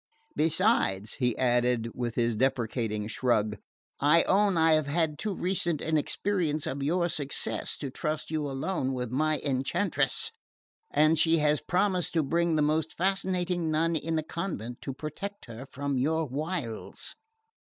Besides," he added with his deprecating shrug, "I own I have had too recent an experience of your success to trust you alone with my enchantress; and she has promised to bring the most fascinating nun in the convent to protect her from your wiles."